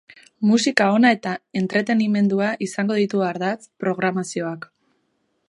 Musika ona eta entretenimendua izango ditu ardatz programazioak.